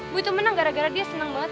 boy tuh menang gara gara dia seneng banget